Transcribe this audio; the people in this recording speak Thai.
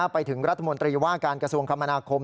ไปถึงรัฐมนตรีว่าการกระทรวงคมนาคม